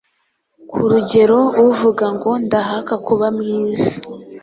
Kurugero, uvuga ngo “Ndahaka kuba mwiza